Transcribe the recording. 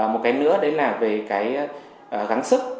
một cái nữa đấy là về cái gắng sức